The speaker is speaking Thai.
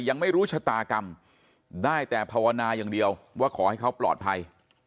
ยังไม่รู้ชะตากรรมได้แต่ภาวนาอย่างเดียวว่าขอให้เขาปลอดภัย